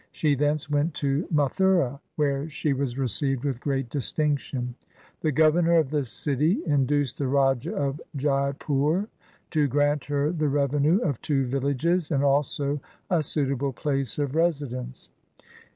She thence went to Mathura, where she was received with great distinc tion. The governor of the city induced the Raja of Jaipur to grant her the revenue of two villages and also a suitable place of residence.